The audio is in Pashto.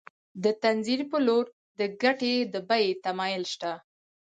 د تنزل په لور د ګټې د بیې تمایل شته